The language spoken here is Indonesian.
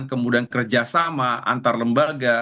kemudian kerjasama antar lembaga